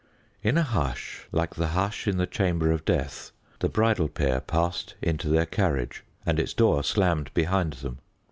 In a hush like the hush in the chamber of death the bridal pair passed into their carriage and its door slammed behind them.